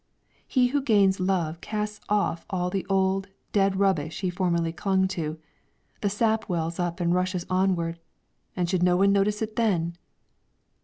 He who gains love casts off all the old, dead rubbish he formerly clung to, the sap wells up and rushes onward; and should no one notice it then?